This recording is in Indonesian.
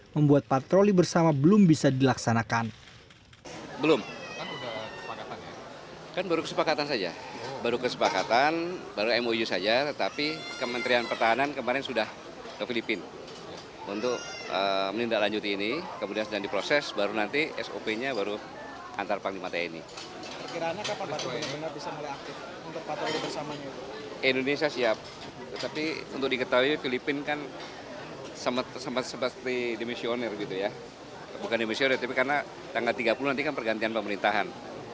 membuat patroli bersama belum bisa dilaksanakan